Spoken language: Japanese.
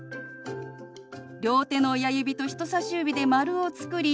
両手の親指と人さし指で丸を作り